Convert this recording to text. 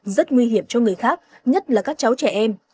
rất nguy hiểm cho người khác nhất là các cháu trẻ em